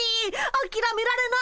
あきらめられない！